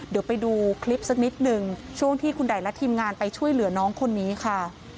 เดี๋ยวไปดูคลิปสักนิดหนึ่งช่วงที่คุณไดและทีมงานไปช่วยเหลือน้องคนนี้ค่ะ